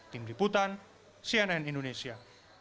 tim liputan cnn indonesia